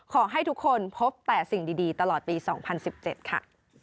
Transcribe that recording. ขอให้ทุกคนพบแต่สิ่งดีตลอดปี๒๐๑๗ค่ะ